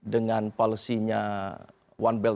dengan polisi yang lebih kecil